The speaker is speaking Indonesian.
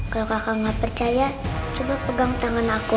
kalau kakak gak percaya coba pegang tangan aku